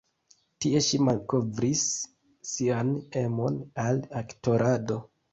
Tie ŝi malkovris sian emon al aktorado.